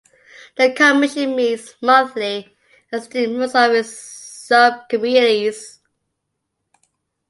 The commission meets monthly, as do most of its sub-committees.